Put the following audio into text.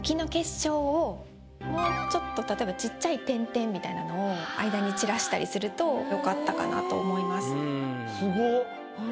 もうちょっと例えばちっちゃい点々みたいなのを間に散らしたりするとよかったかなと思います。